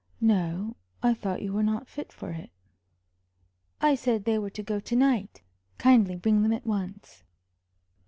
"No, I thought you were not fit for it." "I said they were to go to night. Kindly bring them at once."